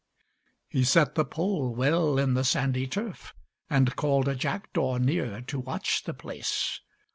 He set the pole well in the sandy turf, And called a jackdaw near to watch the place.